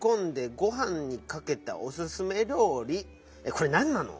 これなんなの？